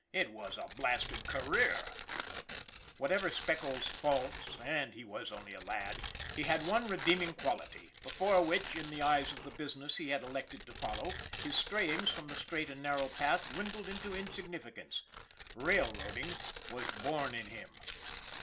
It was a blasted career ! Whatever Speckles' faults, and he was only a lad, he had one redeeming quality, before which, in the eyes of the business he had elected to follow, his strayings from the straight and narrow path dwindled into insignificance railroading was born in him.